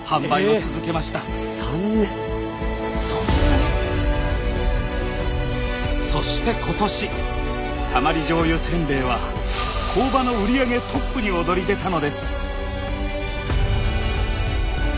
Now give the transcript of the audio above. そんなに⁉そして今年たまり醤油せんべいは工場の売り上げトップに躍り出たのです。